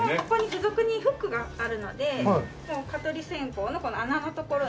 付属にフックがあるので蚊取り線香のこの穴の所に。